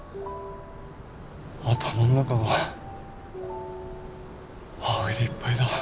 頭の中が葵でいっぱいだ。